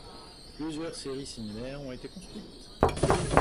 Plusieurs séries similaires ont été construites.